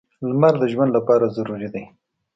• لمر د ژوند لپاره ضروري دی.